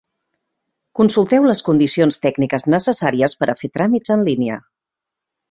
Consulteu les condicions tècniques necessàries per a fer tràmits en línia.